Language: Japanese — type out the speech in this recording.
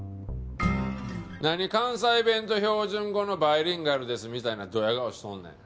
何関西弁と標準語のバイリンガルですみたいなドヤ顔しとんねん。